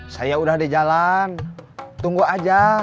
saya udah di jalan tunggu aja